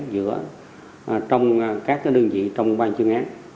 giữa các đơn vị trong băng chương án